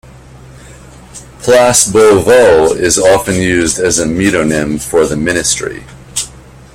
"Place Beauvau" is often used as a metonym for the ministry.